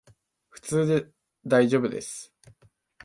普通でだいじょうぶです